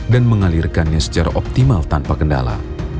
dan mengalirkannya secara optimal tanpa kendala